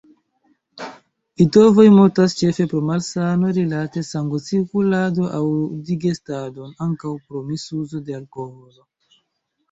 Litovoj mortas ĉefe pro malsanoj rilate sangocirkuladon aŭ digestadon; ankaŭ pro misuzo de alkoholo.